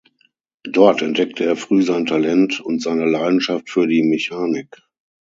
Dort entdeckte er früh sein Talent und seine Leidenschaft für die Mechanik.